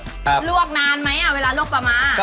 ลวกนานไหมอ่ะเวลาลวกปลาม้า